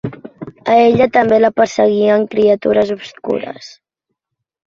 A ella també la perseguien criatures obscures.